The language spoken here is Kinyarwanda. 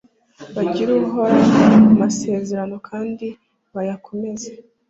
bagirire Uhoraho amasezerano kandi bayakomeze.